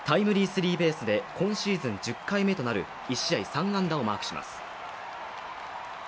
スリーベースで今シーズン１０回目となる１試合３安打をマークします。